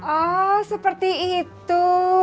oh seperti itu